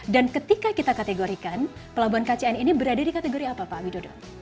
dan ketika kita kategorikan pelabuhan kcn ini berada di kategori apa pak widodo